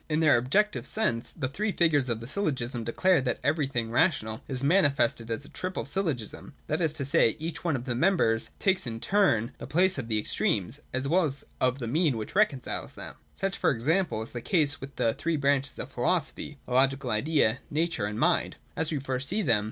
In their objective sense, the three figures of the syllogism declare that everything rational is manifested as a triple sj'llogism ; that is to say, each one of the members takes in turn the place of the extremes, as well as of the mean which reconciles them. Such, for example, is the case with the three branches of philosophy ; the Logical Idea, Nature, and Mind. As we first see them.